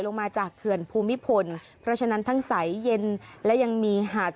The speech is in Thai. ลงมาจากเขื่อนภูมิพลเพราะฉะนั้นทั้งใสเย็นและยังมีหาด